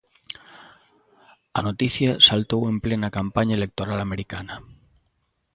A noticia saltou en plena campaña electoral americana.